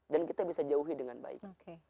dan kita bisa jauhi dengan baik